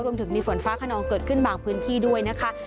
รวมถึงมีฝนฟ้าขนองเกิดขึ้นบางพื้นที่ด้วยนะคะ